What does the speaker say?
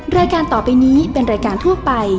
รายการต่อไปนี้เป็นรายการทั่วไป